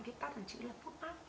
cái tắt là chữ là phúc mắt